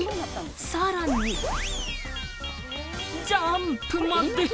さらにジャンプまで。